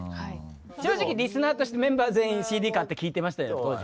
正直リスナーとしてメンバー全員ＣＤ買って聴いてました。